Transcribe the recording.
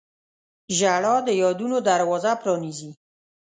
• ژړا د یادونو دروازه پرانیزي.